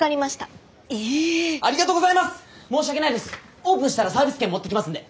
オープンしたらサービス券持ってきますんで。